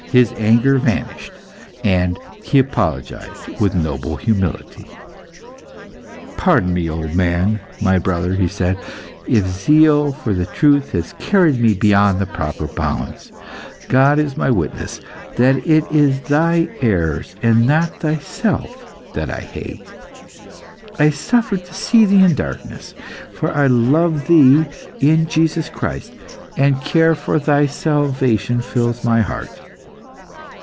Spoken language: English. His anger vanished, and he apologised with noble humility. "Pardon me, old man, my brother," he said, "if zeal for the truth has carried me beyond proper bounds. God is my witness, that it is thy errors and not thyself that I hate. I suffer to see thee in darkness, for I love thee in Jesus Christ, and care for thy salvation fills my heart.